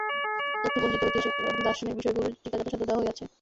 তথ্যপঞ্জীতে ঐতিহাসিক এবং দার্শনিক বিষয়গুলির টীকা যথাসাধ্য দেওয়া হইয়াছে।